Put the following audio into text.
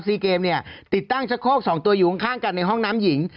ซีเกมติดตั้งชักโคก๒ตัวอยู่ข้างกันในห้องน้ำหญิง